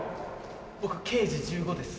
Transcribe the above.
僕「刑事１５」です。